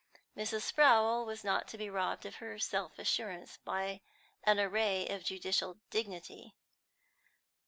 Mrs. Sprowl was not to be robbed of her self assurance by any array of judicial dignity.